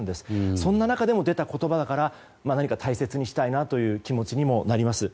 そんな中で出た言葉だから何か、大切にしたいなという気持ちにもなります。